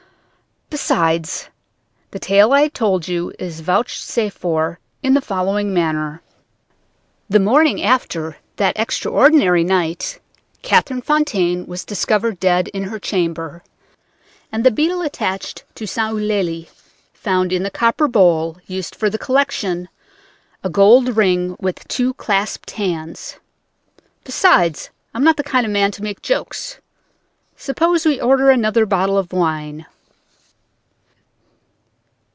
Besides, the tale I have told you is vouchsafed for in the manner following: "The morning after that extraordinary night Catherine Fontaine was discovered dead in her chamber. And the beadle attached to St. Eulalie found in the copper bowl used for the collection a gold ring with two clasped hands. Besides, I'm not the kind of man to make jokes. Suppose we order another bottle of wine?..."